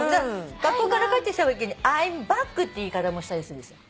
学校から帰ってきたときに「Ｉ’ｍｂａｃｋ」って言い方もしたりするんです。